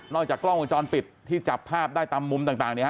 นอกจากกล้องกระจอนปิดที่จับภาพได้ตามมุมต่าง